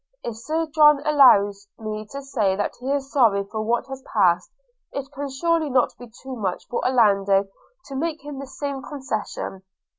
If Sir John allows me to say that he is sorry for what has passed, it can surely not be too much for Mr Orlando to make to him the same concession.